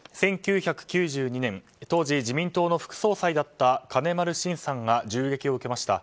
１９９２年当時、自民党の副総裁だった金丸信さんが銃撃を受けました。